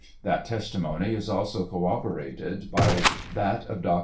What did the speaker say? That testimony is also corroborated by that of Dr. G.